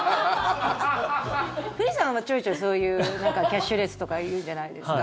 古市さんは、ちょいちょいそういうキャッシュレスとか言うじゃないですか。